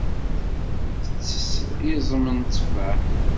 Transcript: Tettess iẓem n tteffaḥ.